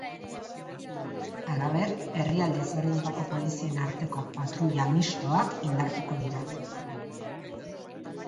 Halaber, herrialde ezberdinetako polizien arteko patruila mistoak indartuko dira.